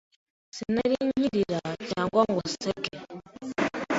sinari nkirira cyangwa ngo nseke,